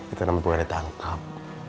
itu namanya pengguna ditangkap